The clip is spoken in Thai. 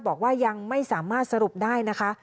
บอกว่ายังไม่สามารถสรุปได้นะคะ